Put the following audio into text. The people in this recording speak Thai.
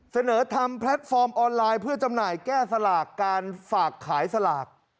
เสนอทำแพลตฟอร์มออนไลน์เพื่อจำหน่ายแก้สลากการฝากขายสลาก